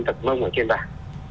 tập mông ở trên bảng